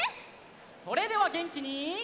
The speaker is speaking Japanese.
それではげんきに。